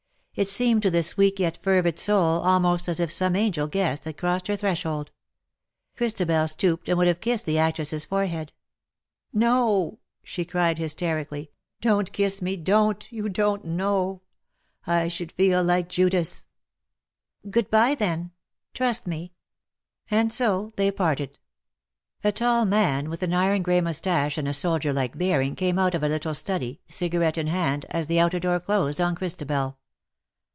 It seemed to this weak yet fervid soul almost as if some angel guest had crossed her threshold. Christabel stooped and would have kissed the actress's forehead. '^ No," she cried, hysterically, " don^t kiss ^^LOVE IS LOVE FOR EVERMORE." 297 me — don^t — you don't know. I should feel like Judas/' '^ Good by^ then. Trust me.'' And so they parted. A tall man, with an iron grey moustache and a soldier like bearing, came out of a little study, cigarette in hand, as the outer door closed on Christabel.